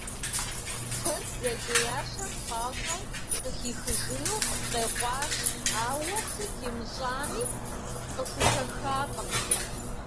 Хъыр бдзэжьеящэм пӏащӏэу къыхихыжыну къекъуащ, ауэ сыт имыщӏами, къыхухэхакъым.